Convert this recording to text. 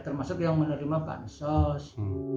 termasuk yang menerima bansos